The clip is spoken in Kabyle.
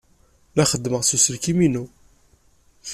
La xeddmeɣ s uselkim-inu.